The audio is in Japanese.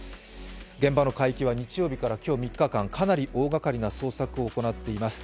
現場の海域は日曜日から今日、３日間、かなり大がかりな捜索を行っています。